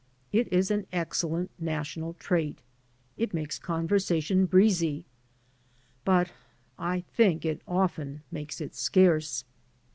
It is an excellent national trait. It makes conversation breezy. But I think it often makes it scarce.